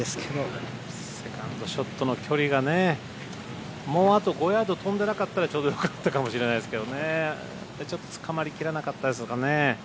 ショットの距離がね、もうあと５ヤード飛んでなかったらちょうどよかったかもしれないですけどねちょっとつかまりきらなかったですかね。